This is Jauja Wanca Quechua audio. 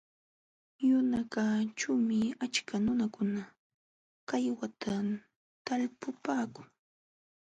Yunakaćhuumi achka nunakuna kaywata talpupaakun.